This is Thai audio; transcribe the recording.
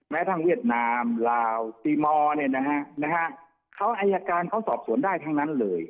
ทั้งเวียดนามลาวตีมอร์เนี่ยนะฮะเขาอายการเขาสอบสวนได้ทั้งนั้นเลย